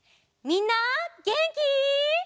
みんなげんき？